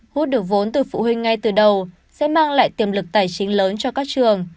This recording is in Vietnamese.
hút được vốn từ phụ huynh ngay từ đầu sẽ mang lại tiềm lực tài chính lớn cho các trường